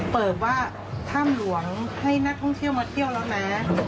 เปิดว่าถ้ำหลวงให้นักท่องเที่ยวมาเที่ยวแล้วนะ